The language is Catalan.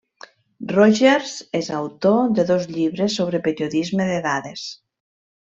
Rogers és autor de dos llibres sobre periodisme de dades.